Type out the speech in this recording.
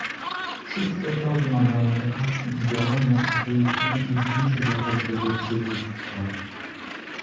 Wszystko to wymagało reakcji i działania, a to jest najtrudniejsze dla każdego przywództwa